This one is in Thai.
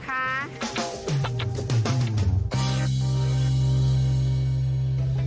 ว้าว